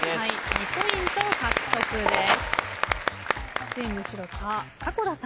２ポイント獲得です。